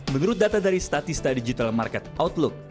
menurut data dari statista digital market outlook